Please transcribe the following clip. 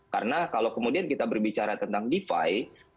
karena kalau kemudian kita berbicara tentang defi